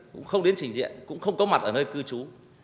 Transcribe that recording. cũng không đến trình diện cũng không có mặt ở nơi cư trú